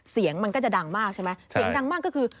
เสียงดังมากก็คือ